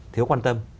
thiếu quan tâm